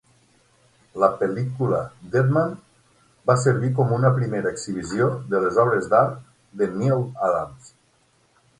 La pel·lícula "Deadman" va servir com una primera exhibició de les obres d"art del Neal Adams.